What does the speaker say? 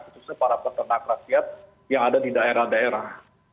khususnya para peternak rakyat yang ada di daerah daerah